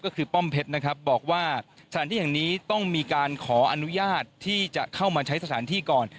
ก็คือป้อมเพชรนะครับบอกว่าสถานที่แห่งนี้ต้องมีการขออนุญาตที่จะเข้ามาใช้สถานที่ก่อน